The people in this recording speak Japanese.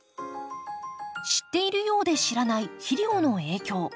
知っているようで知らない肥料の影響。